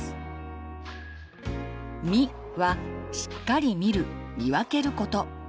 「み」は「しっかりみるみわける」こと。